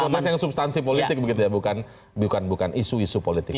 terlalu banyak yang substansi politik bukan isu isu politik